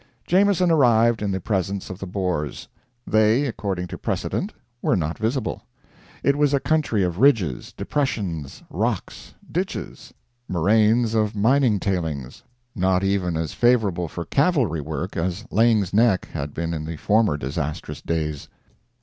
Jameson arrived in the presence of the Boers. They according to precedent were not visible. It was a country of ridges, depressions, rocks, ditches, moraines of mining tailings not even as favorable for cavalry work as Laing's Nek had been in the former disastrous days.